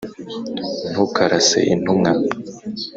ntukarase intumwa